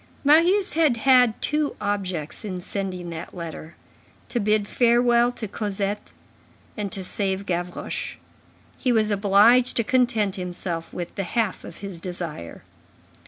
Marius had had two objects in sending that letter: to bid farewell to Cosette and to save Gavroche. He was obliged to content himself with the half of his desire.